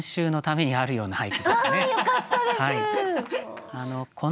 ああよかったです！